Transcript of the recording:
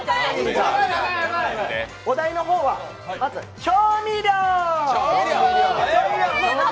お題の方は、まず調味料。